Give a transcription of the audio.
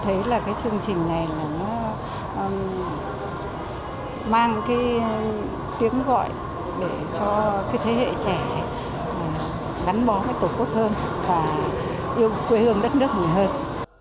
thế là cái chương trình này nó mang cái tiếng gọi để cho cái thế hệ trẻ đắn bó cái tổ quốc hơn và yêu quê hương đất nước người hơn